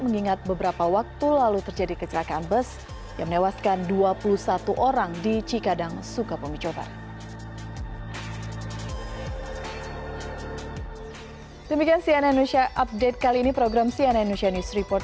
mengingat beberapa waktu lalu terjadi kecelakaan bus yang menewaskan dua puluh satu orang di cikadang sukabumi jawa barat